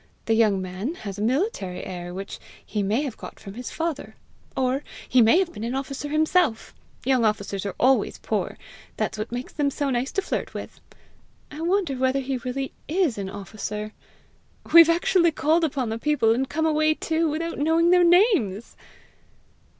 The young man has a military air which he may have got from his father; or he may be an officer himself: young officers are always poor; that's what makes them so nice to flirt with. I wonder whether he really IS an officer! We've actually called upon the people, and come away too, without knowing their names!"